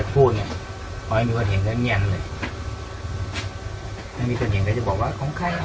เพราะไม่มีคนเห็นเงียนจะบอกว่าของใคร